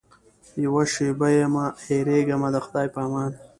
یوه شېبه یمه هېرېږمه د خدای په امان.